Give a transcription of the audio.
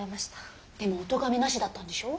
でもおとがめなしだったんでしょ？